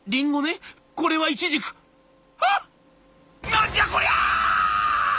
何じゃこりゃ！」。